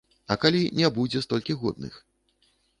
А калі не будзе столькі годных?